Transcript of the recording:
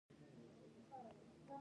ایا درملتون ته ځئ؟